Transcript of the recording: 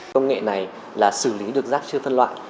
công nghệ này là xử lý được rác chưa phân loại